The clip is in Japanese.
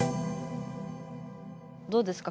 どうですか？